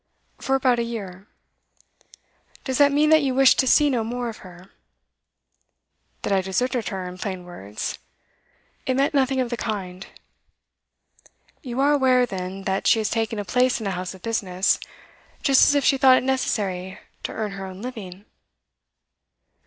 'For about a year.' 'Does that mean that you wished to see no more of her?' 'That I deserted her, in plain words? It meant nothing of the kind.' 'You are aware, then, that she has taken a place in a house of business, just as if she thought it necessary to earn her own living?